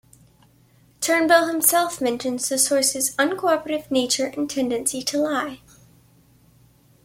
Turnbull himself mentions his sources' uncooperative nature and tendency to lie.